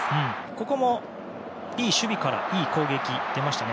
ここも、いい守備からいい攻撃が出ましたね。